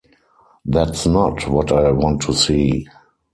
That’s not what I want to see.